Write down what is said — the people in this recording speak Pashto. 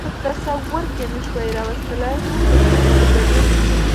په تصور کې نه شوای را وستلای، د پوځ په ګډون.